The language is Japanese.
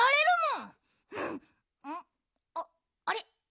んあっあれ？